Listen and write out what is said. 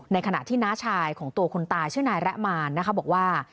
ขณะที่น้าชายของตัวคนตายชื่อนายแระมานนะคะบอกว่า